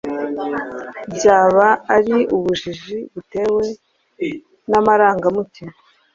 byaba ari ubujiji butewe n’amarangamutima